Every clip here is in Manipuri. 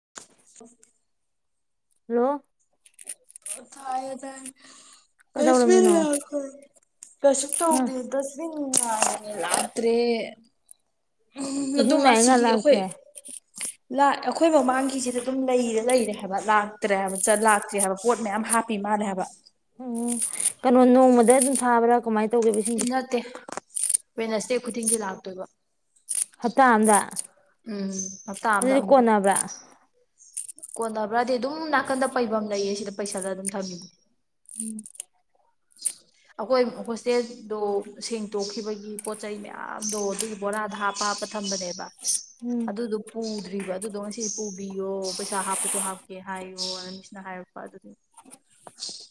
[unintelligible] ꯍꯜꯂꯣ [unintelligible] ꯀꯩꯗꯧꯔꯝꯃꯤꯅꯣ ꯀꯁꯨ ꯍꯥ ꯇꯧꯗꯦ ꯗꯁꯕꯤꯟ ꯉꯥꯏꯕꯅꯦ ꯂꯥꯛꯇ꯭ꯔꯦ꯫ ꯎ ꯏꯁꯤꯡ ꯑꯗꯨꯣꯝ ꯂꯥꯛꯑꯦ ꯉꯥ ꯑꯁꯤꯒꯤ ꯑꯩꯈꯣꯏ ꯂꯥꯛꯇ꯭ꯔꯦ ꯂꯥꯛ ꯑꯩꯈꯣꯏ ꯃꯃꯥꯡꯒꯤꯁꯤꯗ ꯑꯗꯨꯝ ꯂꯩꯔ ꯂꯩꯔꯦ ꯍꯥꯏꯕ ꯂꯥꯛꯇ꯭ꯔꯦ ꯍꯥꯏꯕ ꯆ ꯂꯥꯛꯇ꯭ꯔꯤ ꯍꯥꯏꯕ꯫ ꯄꯣꯠ ꯃꯌꯥꯝ ꯍꯥꯞꯄꯤ ꯃꯥꯜꯅꯦ ꯍꯥꯏꯕ꯫ ꯎꯝ ꯀꯩꯅꯣ ꯅꯣꯡꯃꯗ ꯑꯗꯨꯝ ꯊꯥꯕ꯭ꯔꯥ ꯀꯃꯥꯏ ꯅꯠꯇꯦ ꯋꯦꯅꯦꯁꯗꯦ ꯈꯨꯗꯤꯡꯒꯤ ꯂꯥꯛꯇꯣꯏꯕ꯫ ꯍꯞꯇꯥ ꯑꯃꯗ꯫ ꯎꯝ ꯍꯞꯇꯥ ꯑꯝꯗ ꯑꯃꯨꯔꯛ꯫ ꯀꯣꯟꯊꯕ꯭ꯔꯥꯗꯤ ꯑꯗꯨꯝ ꯅꯥꯀꯟꯗ ꯄꯩꯐꯝ ꯂꯩꯌꯦ ꯁꯤꯗ ꯄꯩꯁꯜꯂ ꯑꯗꯨꯝ ꯊꯝꯏꯅꯦ꯫ [unintelligible] ꯑꯈꯣꯏ ꯍꯣꯁꯇꯦꯜꯗꯣ ꯁꯦꯡꯇꯣꯛꯈꯤꯕꯒꯤ ꯄꯣꯠꯆꯩ ꯃꯌꯥꯝꯗꯣ ꯑꯗꯨꯒꯤ ꯕꯣꯔꯥꯗ ꯍꯥꯞꯄ ꯍꯥꯞꯄ ꯊꯝꯕꯅꯦꯕ ꯎꯝ ꯑꯗꯨꯗꯨ ꯄꯨꯗ꯭ꯔꯤꯕ ꯑꯗꯨꯗꯣ ꯉꯁꯤ ꯄꯨꯕꯤꯌꯣ ꯄꯩꯁꯥ ꯍꯥꯞꯄꯁꯨ ꯍꯥꯞꯀꯦ ꯍꯥꯏꯌꯣ ꯑꯅ ꯃꯤꯁꯅ ꯍꯥꯏꯔꯛꯄ ꯑꯗꯨꯗꯤ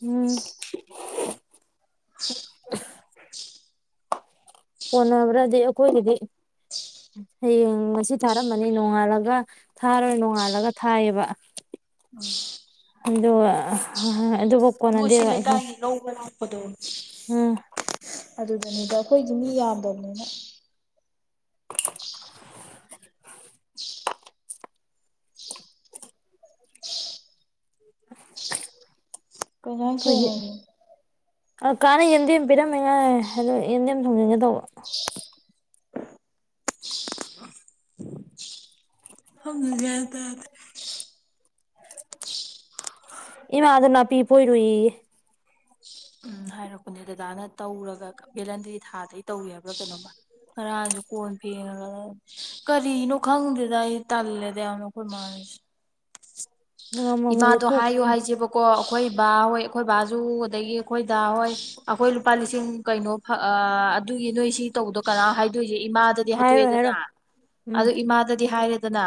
ꯎꯝ꯫ [inaudible] ꯀꯣꯟꯅꯕ꯭ꯔꯗꯤ ꯑꯩꯈꯣꯏꯒꯤꯗꯤ ꯍꯌꯦꯡ ꯉꯁꯤ ꯊꯥꯔꯝꯑꯅꯤ ꯅꯣꯡꯉꯥꯜꯂꯒ ꯊꯥꯔꯣꯏ ꯅꯣꯡꯉꯥꯜꯂꯒ ꯊꯥꯏꯌꯦꯕ꯫ [unintelligible] ꯑꯗꫭ ꯑꯗꯨꯕꯨ ꯀꯣꯟꯅꯗꯦ ꯃꯣꯏꯁꯤ ꯋꯥꯍꯦ ꯂꯩꯀꯥꯏꯒꯤ ꯂꯧꯕ ꯂꯥꯛꯄꯗꯣ ꯎꯝ꯫ ꯑꯗꯨꯗꯅꯤꯗ ꯑꯩꯈꯣꯏꯒꯤ ꯃꯤ ꯌꯥꯝꯗꯕꯅꯤꯅ꯫ [unintelligible] [inaudible] ꯑ ꯀꯥꯟꯅ ꯌꯦꯟꯗꯦꯝ ꯄꯤꯔꯝꯃꯤꯉꯥꯏ ꯑꯗꯨ ꯌꯦꯟꯗꯦꯝ ꯊꯣꯡꯖꯤꯟꯒꯦ ꯇꯧꯕ꯫ [inaudible] [inaudible] ꯏꯃꯥꯗ ꯅꯥꯄꯤ ꯄꯣꯏꯔꯨꯏꯌꯦ꯫ ꯎꯝ ꯍꯥꯏꯔꯛꯄꯅꯦ ꯗꯗꯥꯅ ꯇꯧꯔꯒ ꯚꯦꯂꯟꯗ꯭ꯔꯤ ꯊꯥꯗꯒ ꯇꯧꯋꯦ ꯍꯥꯏꯕ꯭ꯔꯥ ꯀꯩꯅꯣꯃ꯫ ꯉꯔꯥꯡꯖꯨ ꯀꯣꯟ ꯄꯦꯡ ꯀꯔꯤꯅ ꯈꯪꯗꯦꯗ ꯑꯩ ꯇꯜꯂꯦꯗ ꯌꯥꯝꯅ ꯈꫭꯏꯃꯥ ꯍꫭꯏꯁꯤ꯫ ꯉꯝꯃꯝꯃꯣꯏꯌꯦ ꯏꯃꯥꯗꯣ ꯈꯨ ꯍꯥꯏꯌꯣ ꯍꯥꯏꯁꯦꯕꯀꯣ ꯑꯩꯈꯣꯏ ꯕꯥꯍꯣꯏ ꯑꯩꯈꯣꯏ ꯕꯥꯁꯨꯨ ꯑꯗꯒꯤ ꯑꯩꯈꯣꯏ ꯗꯥ ꯍꯣꯏ꯫ ꯑꯩꯈꯣꯏ ꯂꯨꯄꯥ ꯂꯤꯁꯤꯡ ꯀꯩꯅꯣ ꯐ ꯑ ꯑꯗꯨꯒꯤ ꯅꯣꯏ ꯁꯤ ꯇꯧꯕꯗꯣ ꯀꯅꯥ ꯍꯥꯏꯗꯣꯏꯁꯦ ꯏꯃꯥ ꯗꯗꯤ ꯍꯥꯏꯔꯣꯏ ꯍꯥꯏꯗꯣꯛꯑꯦꯗꯅꯥ ꯍꯥꯏꯔꯣꯏ ꯎꯝ ꯑꯗꫭ ꯏꯃꯥꯗꯗꯤ ꯍꯥꯏꯔꯦꯗꯅ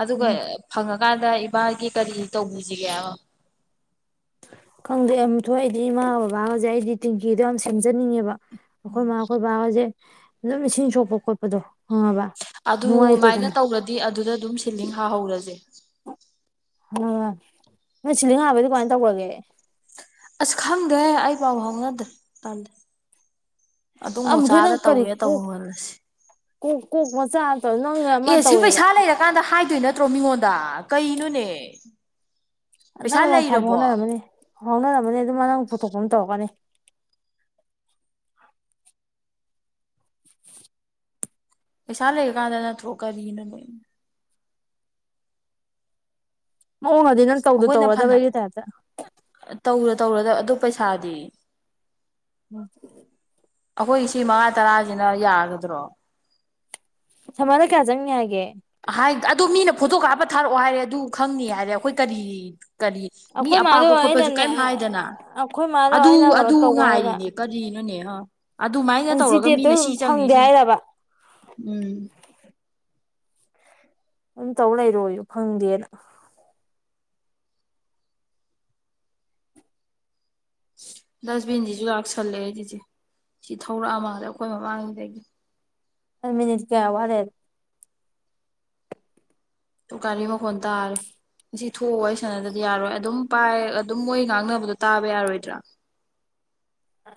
ꯑꯗꯨꯒ ꯎꯝ ꯐꯪꯉꯀꯥꯟꯗ ꯏꯕꯥꯒꯤ ꯀꯔꯤ ꯇꯧꯕꯤꯁꯤꯒꯦꯕ꯫ ꯈꯪꯗꯦ ꯑꯝꯊꯣꯏ ꯑꯩꯗꯤ ꯏꯃꯥ ꯕꯕꯥ ꯍꯧꯖꯤꯛ ꯑꯩꯗꯤ ꯇꯦꯡꯀꯤꯗꯣ ꯌꯥꯝ ꯁꯦꯝꯖꯅꯤꯡꯉꯦꯕ꯫ ꯑꯩꯈꯣꯏ ꯃꯥ ꯑꯩꯈꯣꯏ ꯕꯥꯒꯁꯦ ꯑꯗꯨꯝ ꯏꯁꯤꯡ ꯁꯣꯛꯄ ꯈꯣꯠꯄꯗꯣ꯫ ꯈꯪꯑꯕꯥ ꯅꯨꯡꯉꯥꯏꯇꯦꯗꯅ꯫ ꯗꯤ ꯑꯗꯨꯗ ꯑꯗꯨꯝ ꯁꯤꯂꯤꯡ ꯍꯥꯍꯧꯔꯁꯦ꯫ ꯑ ꯅꯣꯏ ꯁꯤꯂꯤꯡ ꯍꯥꯕꯗꯤ ꯀꯃꯥꯏꯅ ꯇꯧꯒ꯭ꯔꯒꯦ꯫ ꯑꯁ ꯈꯪꯗ꯭ꯔꯦ ꯑꯩ ꯄꯥꯎ ꯐꯥꯎꯅꯗ꯭ꯔꯦ ꯇꯥꯜꯂꯤ꯫ ꯑꯗꯨꯝ ꯑꯃꯨꯊꯣꯏ ꯃꯣꯆꯥꯗ ꯅꯪ ꯀꯔꯤ ꯇꯧꯒꯦ ꯇꯧꯕ ꯀꯣꯛ ꯈꯣꯜꯂꯁꯤ꯫ ꯀꯣꯛ ꯀꯣꯛ ꯃꯆꯥ ꯇꯧꯏ ꯅꯪꯅ ꯑꯃ ꯑꯦ ꯁꯤ ꯇꯧꯋꯦ ꯄꯩꯁꯥ ꯂꯩꯔꯀꯥꯟꯗ ꯍꯥꯏꯗꯣꯏ ꯅꯠꯇ꯭ꯔꯣ ꯃꯤꯉꯣꯟꯗ ꯀꯩꯅꯣꯅꯦ꯫ ꯄꯩꯁꯥ ꯅꯪ ꯑꯃꯨꯛ ꯐꯕ ꯂꯩꯔꯕꯣ ꯐꯥꯎꯅꯔꯝꯃꯅꯤ ꯐꯥꯎꯅꯔꯝꯃꯅꯤ ꯑꯗꯨꯝ ꯅꯪ ꯄꯨꯊꯣꯛꯄ ꯑꯃ ꯇꯧꯔꯛꯀꯅꯤ꯫ ꯄꯩꯁꯥ ꯂꯩꯔ ꯀꯥꯟꯗ ꯅꯠꯇ꯭ꯔꯣꯛ ꯀꯔꯤꯅꫭꯅꯦ꯫ ꯃꯑꯣꯡꯗꯗꯤ ꯅꯪ ꯇꯧꯗꯣ ꯑꯩꯈꯣꯏꯅ ꯐꯅ ꯇꯧꯔꯗꯕꯒꯤ ꯇꯥꯏꯞꯇ꯫ ꯇꯧꯔ ꯇꯧꯔꯗ ꯑꯗꯨ ꯄꯩꯁꯥꯗꯤ ꯎꯝ ꯑꯩꯈꯣꯏ ꯁꯤ ꯃꯉꯥ ꯇꯔꯥꯁꯤꯅ ꯌꯥꯒꯗ꯭ꯔꯣ ꯊꯥꯃꯅ ꯀꯌꯥ ꯖꯪꯅꯤ ꯍꯥꯏꯒꯦ ꯍꯥꯏ ꯑꯗꯨ ꯃꯤꯅ ꯐꯣꯇꯣ ꯀꯥꯞꯄ ꯊꯥꯔꯛꯑꯣ ꯍꯥꯏꯔꯦ ꯑꯗꯨ ꯈꯪꯅꯤ ꯍꯥꯏꯔꯦ ꯑꯩꯈꯣꯏ ꯀꯔꯤ ꯀꯔꯤ ꯃꯤ ꯑꯩꯈꯣꯏ ꯃꯥꯗꯣ ꯑꯄꯥꯛꯄ ꯈꯣꯠꯄꯁꯨ ꯑꯩꯅꯅꯦ ꯀꯩꯝ ꯍꯥꯏꯗꯅ ꯑꯩꯈꯣꯏ ꯃꯥꯗꯣ ꯑꯗꯨ ꯑꯩꯅ ꯀꯩꯅꯣ ꯑꯗꯨ ꯇꯧꯕ ꯍꯥꯏꯔꯒ ꯉꯥꯏꯔꯤꯅꯦ ꯀꯔꯤꯅꯣꯅꯦ ꯍꯥ ꯑꯗꯨꯃꯥꯏꯅ ꯑꯦꯟ ꯖꯤ ꯇꯧꯔꯒ ꯇꯦꯞꯇꯣ ꯃꯤꯅ ꯁꯤ ꯆꯪꯅꯤ ꯐꯪꯗꯦ ꯁꯤ ꯍꯥꯏꯔꯕ ꯎꯝ ꯑꯗꯨꯝ ꯇꯧ ꯂꯩꯔꯣꯌꯣ ꯐꯪꯗꯦꯅ ꯗꯁꯕꯤꯟꯖꯤꯖꯨ ꯂꯥꯛꯁꯜꯂꯛꯑꯦ ꯆꯤꯆꯦ ꯁꯤ ꯊꯧꯔꯛ ꯑ ꯃꯥꯜꯂꯦ ꯑꯩꯈꯣꯏ ꯃꯃꯥꯡꯗꯒꯤ ꯍꯥꯏ ꯃꯤꯅꯤꯠ ꯀꯌꯥ ꯋꯥꯠꯂꯤ ꯇꯨ ꯒꯔꯤ ꯃꯈꯣꯟ ꯇꯔꯦ ꯁꯤ ꯊꯣꯛ ꯑꯥ ꯋꯥꯔꯤ ꯁꯅꯗ꯭ꯔꯗꯤ ꯌꯥꯔꯣꯏ ꯑꯗꯨꯝ ꯄꯥꯏ ꯑꯗꯨꯝ ꯃꯣꯏ ꯉꯥꯡꯅꯕꯗꯣ ꯇꯥꯕ ꯌꯥꯔꯣꯏꯗ꯭ꯔꯥ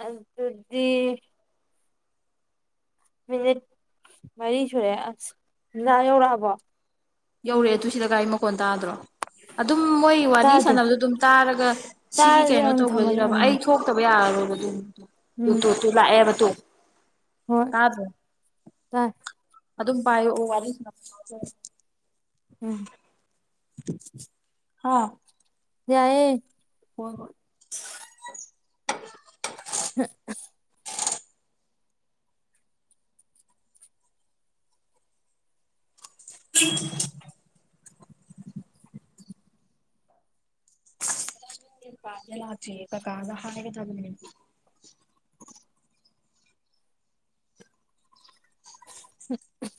ꯑꯗꯨꯗꯤ ꯃꯤꯅꯤꯠ ꯃꯔꯤ ꯁꯨꯔꯦ ꯑꯁ ꯗꯥꯥ ꯌꯧꯔꯛ ꯑꯕꯣ ꯌꯧꯔꯛꯑꯦ ꯇꯨ ꯁꯤꯗ ꯒꯥꯔꯤ ꯃꯈꯣꯟ ꯇꯥꯗ꯭ꯔꯣ ꯑꯗꯨꯝ ꯃꯣꯏ ꯋꯥꯔꯤ ꯇꯥꯗꯦ ꯁꯥꯟꯅꯕꯗꯨ ꯑꯗꯨꯝ ꯇꯥꯔꯒ ꯁꯤꯒꯤ ꯇꯥꯔꯗꯤ ꯀꯩꯅꯣ ꯑꯗꯨꯝ ꯊꯝꯃꯁꯦ ꯇꯧꯕꯖꯤꯔꯕ ꯎꯝ ꯑꯩ ꯊꯣꯛ ꯊꯣꯛꯇꯕ ꯌꯔꯔꯣꯏꯕꯇꯨ ꯎꯝ ꯇꯨ-ꯇꯨ-ꯇꯨ ꯂꯛꯑꯦꯕꯥ ꯇꯨ ꯍꯣꯏ ꯇꯥꯗ꯭ꯔꯣ ꯇꯥꯏ ꯑꯗꯨꯝ ꯄꯥꯏꯔꯛꯑꯣ ꯋꯥꯔꯤ ꯁꯥꯅꯕꯥ ꯁꯖꯦ ꯎꯝ ꯍ ꯌꯥꯏꯌꯦ ꯍꯣꯏ ꯍꯣꯏ [unintelligible] [unintelligible] ꯑꯈꯣꯏ ꯄꯥꯖꯦ ꯂꯛꯇꯦ ꯀꯀꯥꯒꯥ ꯍꯥꯏꯒꯗꯕꯅꯦ ꯎꯝ ꯍꯥ ꯎꯝ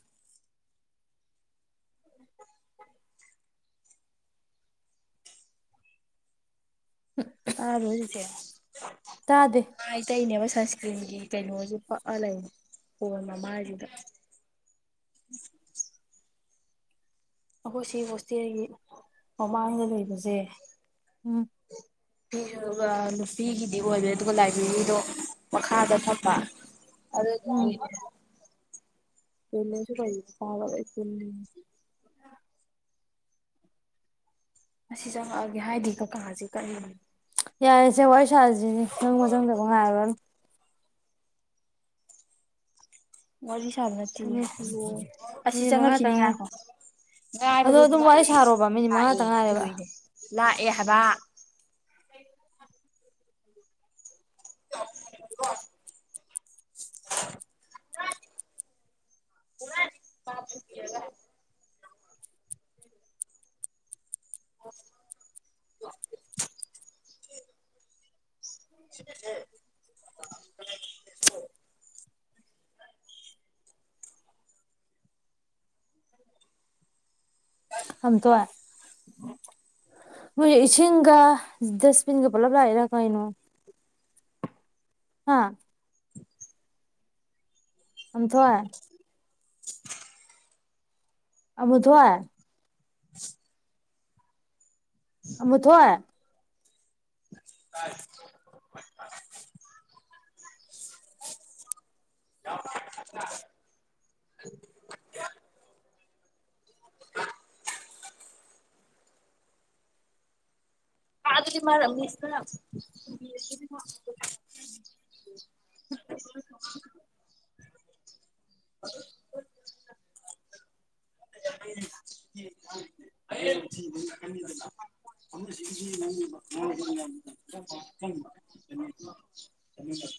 ꯎ [unintelligible] ꯇꯗ꯭ꯔꯣ ꯆꯤꯆꯦ ꯇꯥꯗ‌ꯦ ꯃꯥꯏ ꯇꯩꯅꯕ ꯁꯟꯁꯀ꯭ꯔꯤꯝꯒꯤ ꯀꯩꯅꯣꯖꯨ ꯄꯛꯑ ꯂꯩꯅꯤ ꯐꯣꯟ ꯃꯃꯥꯏꯖꯤꯗ ꯑꯈꯣꯏ ꯁꯤ ꯍꯣꯁꯇꯦꯜꯒꯤ ꯃꯃꯥꯡꯗ ꯂꯩꯕꯖꯦ ꯎꯝ [unintelligible] ꯐꯤꯁꯨꯕ ꯅꯨꯄꯤꯒꯤꯗꯤ ꯑꯣꯏꯔ‌ꯦ ꯑꯗꯨꯒ ꯂꯥꯏꯕ꯭ꯔꯦꯔꯤꯗꯣ ꯃꯈꯥꯗ ꯊꯝꯕꯥ ꯎꯝ ꯑꯗꯨꯗꯨꯒꯤ ꯇꯣꯏꯂꯦꯠꯁꯨ ꯀꯩꯖꯨ ꯅꯨꯄꯥꯒꯥ ꯂꯣꯏ ꯄꯨꯟ ꯑꯁꯤ ꯆꯪꯉꯛ ꯑꯒꯦ ꯍꯥꯏꯗꯦ ꯀꯀꯥꯥꯖꯦ ꯀꯩꯅꯣ ꯌꯥꯔꯦ ꯁꯦ ꯋꯥꯔꯤ ꯁꯥꯔꯥꯖꯤ ꯁꯦ ꯆꯪꯕ ꯆꯪꯗꯕ ꯉꯥꯏꯔꯅꯨ ꯋꯥꯔꯤ ꯁꯅꯥꯗ꯭ꯔꯤꯌꯦ ꯃꯤꯅꯤꯠ ꯂꯣꯏꯔꯦ ꯑꯁꯤ ꯃꯤꯅꯤꯠ ꯆꯪꯉꯛꯈꯤꯅꯤ ꯃꯉꯥꯇꯪ ꯉꯥꯏꯔꯦ ꯉꯥꯏꯈ‌ꯣ ꯑꯗꯣ ꯉꯥꯏꯕꯒꯗꯨ ꯑꯗꯨꯝ ꯋꯥꯔꯤ ꯂꯥꯛꯑꯦꯌꯦ ꯁꯥꯔꯣꯕ ꯃꯤꯅꯤꯠ ꯃꯉꯥꯇ ꯂꯥꯛꯑꯦꯌꯦ ꯉꯥꯏꯔꯦꯕ ꯑꯗꯨꯗꯨꯏꯅꯦ ꯂꯥꯛꯑꯦ ꯍꯥꯏꯕ [unintelligible] ꯎ [unintelligible] [unintelligible] ꯁꯦꯅꯦꯍꯦ [unintelligible] ꯑꯝꯇꯣꯏ ꯅꯣꯏ ꯏꯁꯤꯡꯒ ꯗꯁꯕꯤꯟꯒ ꯄꯨꯜꯂꯞ ꯂꯛꯏꯔꯥ ꯀꯩꯅ‌ꯣ ꯍꯥ ꯑꯝꯊꯣꯏ ꯑꯃꯨꯊꯣꯏ ꯑꯃꯨꯊꯣꯏ ꯇꯥꯏ ꯑ ꯑ ꯑꯗꯨꯗꯤ ꯃꯥꯔ ꯃꯤꯁꯅ [unintelligible] [unintelligible] [unintelligible] ꯀꯩꯅꯣ ꯗꯨ ꯆꯠꯃꯤꯟꯅꯧ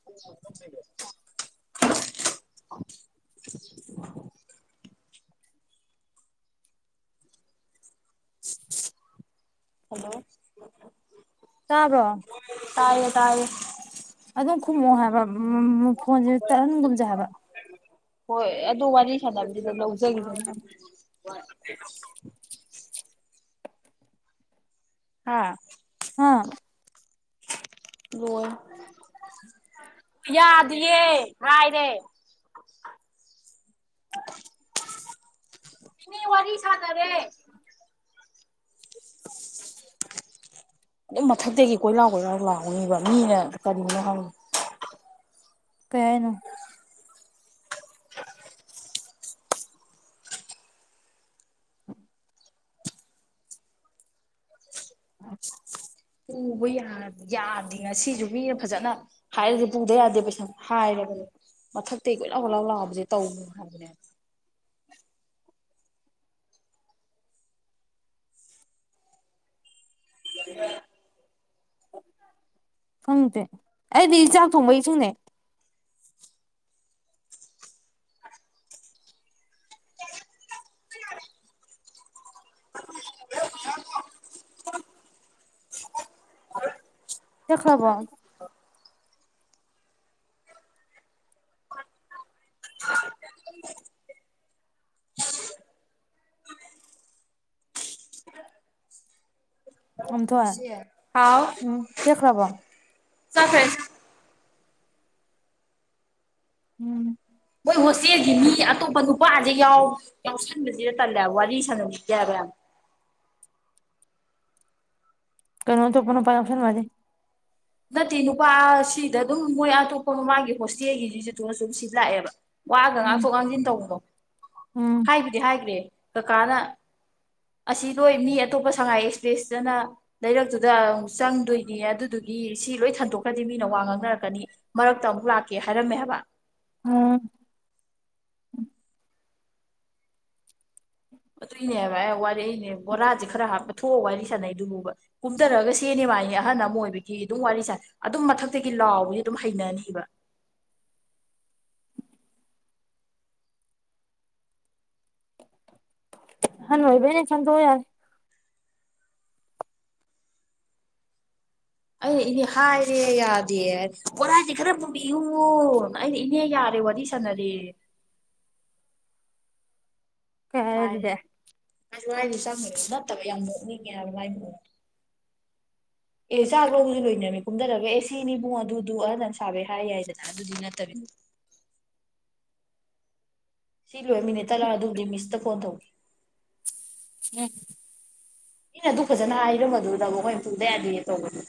ꯀꯨ ꯋꯥꯜꯀꯞ ꯂꯩꯔꯦ ꯍꯜꯂꯣ ꯇꯥꯕꯣ꯭ꯔ ꯇꯥꯏꯌꯦ ꯇꯥꯏꯌꯦ ꯑꯗꯨꯝ ꯈꯨꯝꯃꯣ ꯍꯥꯏꯕ ꯐꯣꯟꯖꯦ ꯇꯠꯍꯟꯒꯨꯝꯖꯦ ꯍꯥꯏꯕ ꯍꯣꯏ ꯑꯗꯨ ꯋꯥꯔꯤ ꯁꯥꯟꯅꯕꯗꯤ ꯂꯧ ꯂꯧꯖꯒꯤꯖꯅꯤ ꯍꯥ ꯍꯥ ꯂꯣꯏꯔꯦ ꯌꯥꯗꯤꯌꯦ ꯍꯥꯏꯔꯦ ꯃꯤ ꯋꯥꯔꯤ ꯁꯥꯅꯥꯔꯦ [unintelligible] ꯑꯗꯨꯝ ꯃꯊꯛꯇꯒꯤ ꯀꯣꯏꯂꯥꯎ ꯀꯣꯏꯂꯥꯎ ꯂꯥꯎꯅꯤꯕ ꯃꯤꯅ ꯀꯔꯤꯅ‌ꯣ ꯈꯪ ꯀꯩ ꯍꯥꯏꯅꯣ [unintelligible] ꯄꯨꯕ ꯌꯥ ꯌꯥꯗꯦ ꯉꯁꯤꯖꯨ ꯃꯤꯅ ꯐꯖꯅ ꯍꯥꯏꯔꯖꯨ ꯄꯨꯡ ꯗꯥꯔꯗꯩ ꯄꯩꯁꯥ ꯍꯥꯏꯔꯕꯅꯦ ꯃꯊꯛꯇꯩ ꯀꯣꯏ ꯂꯥꯎ ꯀꯣꯏ ꯂꯥꯎ ꯂꯥꯎꯕꯖꯦ ꯇꯧꯅꯨ ꯍꯥꯏꯕꯅꯦꯕ [unintelligible] ꯈꯪꯗꯦ ꯑꯩꯗꯤ ꯏꯆꯥꯛ ꯊꯣꯡꯕꯩ ꯏꯁꯤꯡꯅꯦ ꯆꯠꯈ꯭ꯔꯕꯣ ꯑꯃꯨꯊꯣꯏ ꯏꯆꯦ ꯍꯥꯎ ꯍꯨꯝ ꯆꯠꯈ꯭ꯔꯕꯣ ꯆꯠꯈ꯭ꯔꯦ ꯎꯝ ꯃꯣꯏ ꯍꯣꯁꯇꯦꯜꯒꯤ ꯃꯤ ꯑꯇꯣꯞꯄ ꯅꯨꯄꯥꯖꯦ ꯌꯥꯎ ꯌꯥꯎꯁꯟꯕꯖꯤꯗ ꯇꯜꯂꯦꯕ ꯋꯥꯔꯤ ꯁꯥꯟꯅꯅꯤꯡꯗꯦ ꯍꯥꯏꯕ ꯌꯥꯝ ꯀꯩꯅꯣ ꯑꯇꯣꯞꯄ ꯅꯨꯄꯥ ꯌꯥꯎꯁꯟꯕ ꯑꯗꯤ ꯅꯠꯇꯦ ꯅꯨꯄꯥ ꯁꯤꯗ ꯑꯗꯨꯝ ꯃꯣꯏ ꯑꯇꯣꯞꯄ ꯃꯃꯥꯡꯒꯤ ꯍꯣꯁꯇꯦꯜꯒꯤ ꯖꯤꯖꯨ ꯇꯣ ꯁꯨꯝ ꯁꯤ ꯂꯥꯛꯑꯦꯕ ꯋꯥꯒ ꯎꯝ ꯉꯥꯛꯊꯣꯛ ꯉꯥꯡꯖꯤꯟ ꯇꯧꯕꯗꯣ ꯎꯝ ꯍꯥꯏꯕꯨꯗꯤ ꯍꯥꯏꯒ꯭ꯔꯦ ꯀꯀꯥꯅ ꯑꯁꯤ ꯅꯣꯏ ꯃꯤ ꯑꯇꯣꯞꯄ ꯁꯉꯥꯏ ꯑꯦꯛꯁꯄ꯭ꯔꯦꯁꯇꯅ ꯂꯩꯔꯛꯇꯨꯗ ꯑꯃꯨꯛ ꯆꯪꯗꯣꯏꯅꯦꯌꯦ ꯑꯗꯨꯗꯨꯒꯤ ꯒꯤ ꯁꯤ ꯂꯣꯏ ꯊꯥꯡꯗꯣꯛꯈ꯭ꯔꯗꯤ ꯃꯤꯅ ꯋꯥ ꯉꯥꯡꯅꯔꯛꯀꯅꯤ ꯃꯔꯛꯇ ꯑꯃꯨꯛ ꯂꯥꯛꯀꯦ ꯍꯥꯏꯔꯝꯃꯦ ꯍꯥꯏꯕ ꯎꯝ ꯑꯗꯨꯏꯅꯦꯕ ꯑꯦ ꯋꯥꯔꯛꯏꯅꯦ ꯕꯣꯔꯥꯁꯦ ꯈꯔ ꯍꯥꯞꯄ ꯊꯣꯛꯑ ꯋꯥꯔꯤ ꯁꯥꯟꯅꯩꯗꯨꯕꯨꯕ ꯀꯨꯝꯗꯔꯒ ꯁꯦꯅꯦ ꯃꯥꯏꯅꯤ ꯑꯍꯟ ꯑꯃ ꯑꯣꯏꯕꯒꯤ ꯑꯗꯨꯝ ꯋꯥꯔꯤ ꯁꯥꯅꯩ ꯑꯗꯨꯝ ꯃꯊꯛꯇꯒꯤ ꯂꯥꯎꯕꯗꯤ ꯑꯗꯨꯝ ꯍꯩꯅꯅꯤꯕ ꯑꯍꯜ ꯑꯣꯏꯕꯩꯅꯦ ꯈꯟꯗꯣꯛꯑꯑꯣ ꯌꯥꯔꯦ ꯑꯩꯅ ꯏꯅꯦ ꯍꯥꯏꯔꯦ ꯌꯥꯗꯦ ꯕꯣꯔꯥꯗꯤ ꯈꯔ ꯄꯨꯕꯤꯌꯨꯋꯣ ꯑꯩꯅ ꯏꯅꯦ ꯌꯥꯔꯦ ꯋꯥꯔꯤ ꯁ ꯁꯅꯔꯤꯌꯦ ꯀꯩ ꯍꯥꯏꯔꯦ ꯑꯗꯨꯗꯤ ꯑꯩꯁꯨ ꯍꯥꯏꯅꯦ ꯆꯥꯛ ꯅꯠꯇꯕ ꯌꯥꯝ ꯅꯣꯛꯅꯤꯡꯉꯦ ꯍꯥꯏꯕ ꯃꯥꯏ ꯃꯑꯣꯡꯗꯣ ꯑꯦ ꯆꯥꯛ ꯂꯧꯕꯁꯨ ꯂꯣꯏꯅꯔꯃꯤ ꯀꯨꯝꯊꯔꯒ ꯑꯦ ꯁꯤꯅꯤ ꯏꯕꯨꯡ ꯑꯗꯨꯗꯨ ꯑꯍꯟ ꯑꯝ ꯁꯥꯕꯩ ꯍꯥꯏ ꯌꯥꯏꯗꯅ ꯑꯗꯨꯗꯤ ꯅꯠꯇꯕꯤꯗ ꯁꯤ ꯂꯣꯏꯔ ꯃꯤꯅꯤꯠ ꯇꯠꯂ ꯑꯗꯨꯕꯨꯗꯤ ꯃꯤꯁꯇ ꯐꯣꯟ ꯇꯧꯒꯦ [unintelligible] ꯃꯤꯅ ꯑꯗꯨꯛ ꯐꯖꯅ ꯍꯥꯏꯔꯝꯕꯗꯨꯗꯕꯣ ꯃꯣꯏꯅ ꯄꯨꯗ ꯌꯥꯗꯦ ꯇꯧꯗꯅ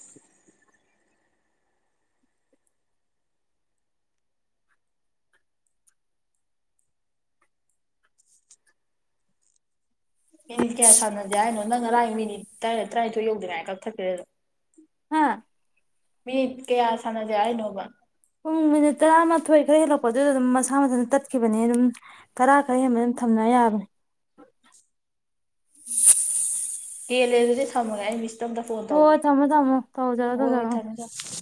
ꯃꯤꯅꯤꯠ ꯀꯌꯥ ꯁꯥꯟꯅꯁꯦ ꯍꯥꯏꯅꯣ ꯅꯪ ꯉꯔꯥꯡ ꯃꯤꯅꯤꯠ ꯇꯔꯥ ꯇꯔꯥꯅꯤꯊꯣꯏ ꯌꯧꯗ꯭ꯔꯤꯉꯥꯏ ꯀꯛꯊꯠꯈ꯭ꯔꯦ ꯗꯨꯝ ꯍꯥ ꯃꯤꯠ ꯀꯌꯥ ꯁꯥꯟꯅꯖꯦ ꯍꯥꯏꯅꯣꯕ ꯄꯨꯡ ꯃꯤꯅꯤꯠ ꯇꯔꯥꯃꯥꯊꯣꯏ ꯈꯔ ꯍꯦꯜꯂꯛꯄ ꯑꯗꯨꯗ ꯑꯗꯨꯝ ꯃꯁꯥ ꯃꯊꯟꯇ ꯇꯠꯈꯤꯕꯅꯤ ꯑꯗꯨꯝ ꯇꯔꯥ ꯈꯔ ꯍꯦꯟꯕꯗ ꯑꯗꯨꯝ ꯊꯝꯅ ꯌꯥꯕꯅꯦ ꯇꯦꯜꯂꯦ ꯑꯗꯨꯗꯤ ꯊꯝꯃꯒꯦ ꯑꯩ ꯃꯤꯁ ꯍꯣꯏ ꯍꯣꯏ ꯊꯝꯃꯣ ꯊꯝꯃꯣ ꯇꯧꯖꯔꯣ ꯍꯣꯏ ꯇꯧꯖꯔꯣ [inaudible]